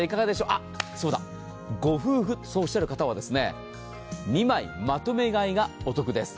あっ、そうだ、御夫婦、そうおっしゃる方は２枚まとめ買いがお得です。